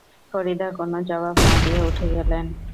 ফরিদা কোনো জবাব না দিয়ে উঠে গেলেন।